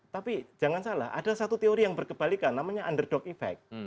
tapi jangan salah ada satu teori yang berkebalikan namanya underdog effect